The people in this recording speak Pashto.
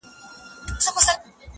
o څنگه دي وستايمه؛